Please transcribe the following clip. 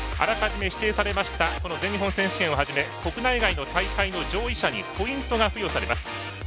あらかじめ指定されました全日本選手権をはじめ国内外の大会の上位者にポイントが付与されます。